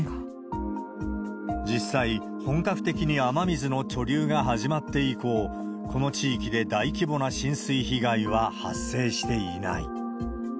実際、本格的に雨水の貯留が始まって以降、この地域で大規模な浸水被害は発生していない。